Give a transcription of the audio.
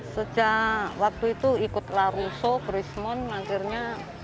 sejak waktu itu ikut la russo ke rismon akhirnya